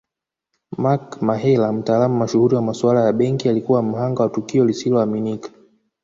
Mark Mahela mtaalamu mashuhuri wa masuala ya benki alikuwa mhanga wa tukio lisiloaminika